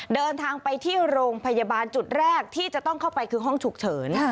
เดินทางไปที่โรงพยาบาลจุดแรกที่จะต้องเข้าไปคือห้องฉุกเฉิน